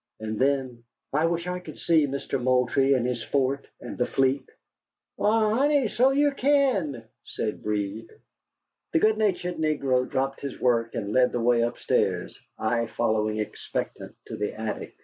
And then: "I wish I could see Mister Moultrie in his fort, and the fleet." "Why, honey, so you kin," said Breed. The good natured negro dropped his work and led the way upstairs, I following expectant, to the attic.